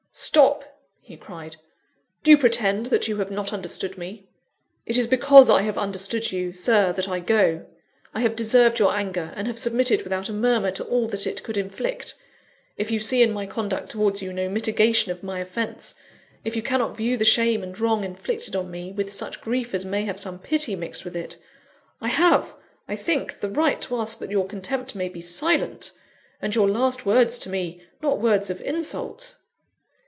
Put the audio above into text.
"Stop!" he cried. "Do you pretend that you have not understood me?" "It is because I have understood you, Sir, that I go. I have deserved your anger, and have submitted without a murmur to all that it could inflict. If you see in my conduct towards you no mitigation of my offence; if you cannot view the shame and wrong inflicted on me, with such grief as may have some pity mixed with it I have, I think, the right to ask that your contempt may be silent, and your last words to me, not words of insult."